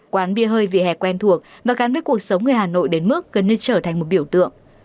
quán bia hơi vỉa hè quen thuộc và gắn với cuộc sống người hà nội đến mức gần như trở thành một biểu tượng